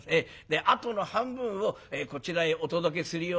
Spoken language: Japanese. あとの半分をこちらへお届けするようにいたします。